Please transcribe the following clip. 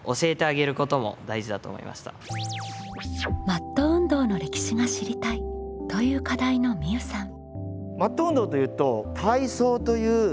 「マット運動の歴史が知りたい」という課題のみうさん。